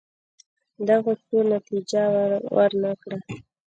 دغو هڅو نتیجه ور نه کړه.